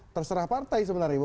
terserah partai sebenarnya